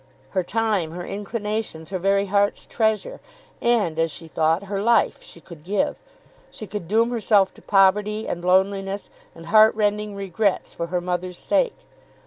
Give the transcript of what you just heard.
Her time, her inclinations, her very heart's treasure, and, as she thought, her life, she could give. She could doom herself to poverty, and loneliness, and heart rending regrets for her mother's sake.